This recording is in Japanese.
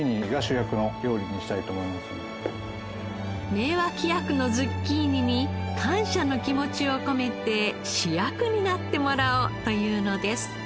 名脇役のズッキーニに感謝の気持ちを込めて主役になってもらおうというのです。